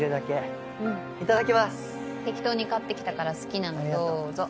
適当に買ってきたから好きなのどうぞ。